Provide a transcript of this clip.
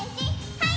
はい！